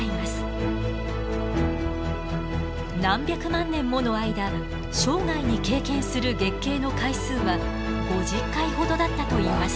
何百万年もの間生涯に経験する月経の回数は５０回ほどだったといいます。